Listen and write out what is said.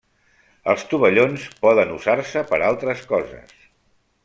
Els tovallons poden usar-se per a altres coses.